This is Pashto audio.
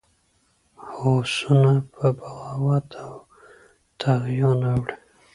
هوسونه په بغاوت او طغیان اوړي.